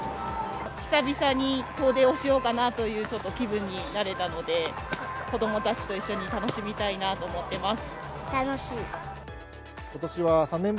久々に遠出をしようかなという、ちょっと気分になれたので、子どもたちと一緒に楽しみたいな楽しい。